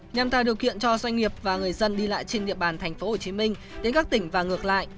nhằm tạo điều kiện cho doanh nghiệp và người dân đi lại trên địa bàn tp hcm đến các tỉnh và ngược lại